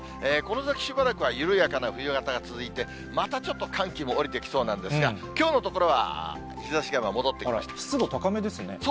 この先しばらくは、緩やかな冬型が続いて、またちょっと寒気も下りてきそうなんですが、きょうのところは日湿度高めですね。